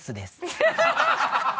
ハハハハ！